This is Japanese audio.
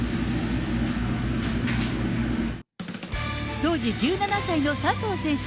当時１７歳の笹生選手。